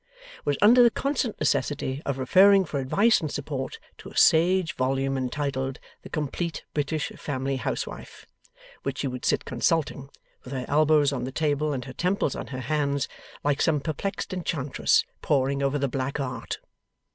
was under the constant necessity of referring for advice and support to a sage volume entitled The Complete British Family Housewife, which she would sit consulting, with her elbows on the table and her temples on her hands, like some perplexed enchantress poring over the Black Art.